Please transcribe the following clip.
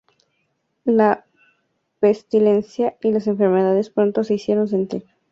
La pestilencia y las enfermedades pronto se hicieron sentir.